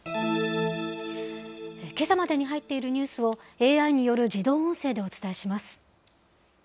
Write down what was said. けさまでに入っているニュースを、ＡＩによる自動音声でお伝えします。